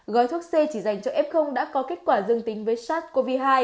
gói thuốc c chỉ dành cho f đã có kết quả dương tính với sars cov hai